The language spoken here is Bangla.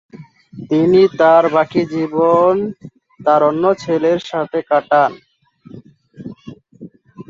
তিনি তার বাকি জীবন তার অন্য ছেলের সাথে কাটান।